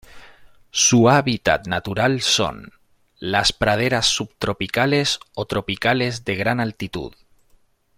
Su hábitat natural son: las praderas subtropicales o tropicales de gran altitud.